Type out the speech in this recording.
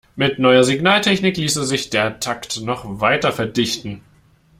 Mit neuer Signaltechnik ließe sich der Takt noch weiter verdichten.